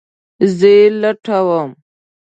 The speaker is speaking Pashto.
زه یی لټوم